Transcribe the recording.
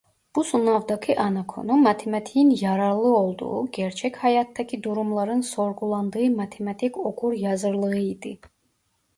Bu sınavdaki ana konu matematiğin yararlı olduğu gerçek hayattaki durumların sorgulandığı matematik okur yazarlığıydı.